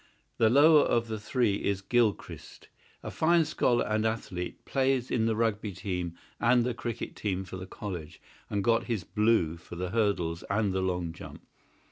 The lower of the three is Gilchrist, a fine scholar and athlete; plays in the Rugby team and the cricket team for the college, and got his Blue for the hurdles and the long jump.